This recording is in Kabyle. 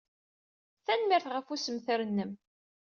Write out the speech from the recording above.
Tanemmirt ɣef ussemter-nnem.